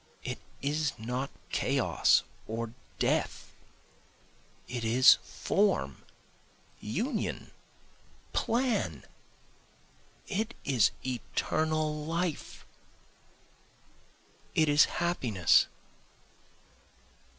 It is not chaos or death it is form, union, plan it is eternal life it is Happiness.